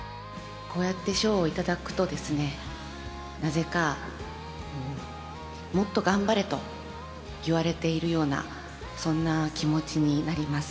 こうやって賞を頂くとですね、なぜか、もっと頑張れと言われているような、そんな気持ちになります。